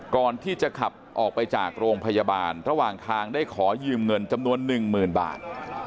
ก่อนที่จะขับออกไปจากโรงพยาบาลระหว่างทางได้ขอยืมเงินจำนวนหนึ่งหมื่นบาท